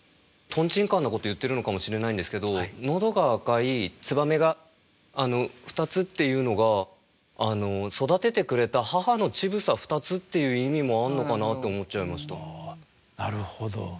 とんちんかんなこと言ってるのかもしれないんですけどのどが赤いつばめがふたつっていうのが育ててくれた母の乳房ふたつっていう意味もあるのかなと思っちゃいました。